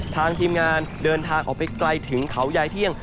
ทีมงานเดินทางออกไปไกลถึงเขายายเที่ยง